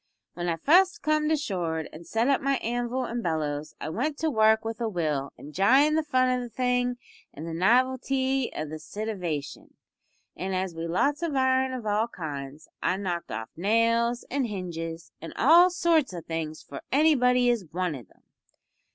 When I fust comed ashore an' set up my anvil an' bellows I went to work with a will, enjyin' the fun o' the thing an' the novelty of the sitivation; an' as we'd lots of iron of all kinds I knocked off nails an' hinges an' all sorts o' things for anybody as wanted 'em.